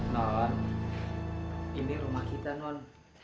non ini rumah kita non